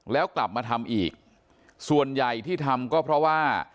แล้วกลับมาทำอีกส่วนใหญ่ที่ทำก็เพราะว่า